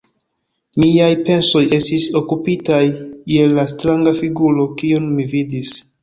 Miaj pensoj estis okupitaj je la stranga figuro, kiun mi vidis.